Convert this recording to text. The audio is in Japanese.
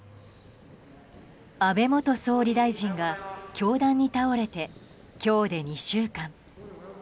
安倍元総理大臣が凶弾に倒れて今日で２週間。